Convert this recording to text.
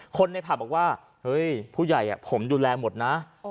คนในประบบบอกว่าฮึยผู้ใหญ่อ่ะผมดูแลหมดนะผมจ่ายก่อนใครเลยนะ